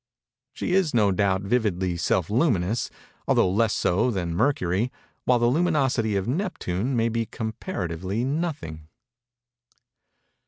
She is no doubt vividly self luminous, although less so than Mercury: while the luminosity of Neptune may be comparatively nothing.